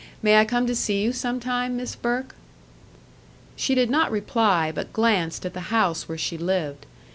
May I come to see you some time, Miss Burke?" She did not reply, but glanced at the house where she lived.